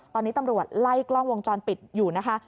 ตอนนี้ตำรวจไล่กล้องวงจรปิดอยู่นะคะ